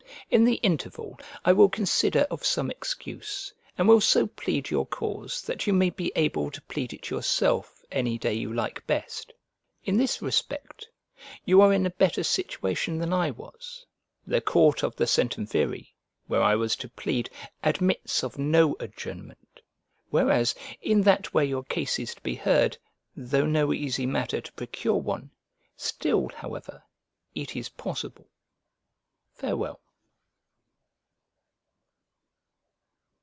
In the interval, I will consider of some excuse, and will so plead your cause that you may be able to plead it your self any day you like best. In this respect, you are in a better situation than I was: the court of the centumviri, where I was to plead, admits of no adjournment: whereas, in that where your case is to be heard, though no easy matter to procure one, still, however, it is possible. Farewell.